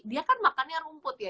dia kan makannya rumput ya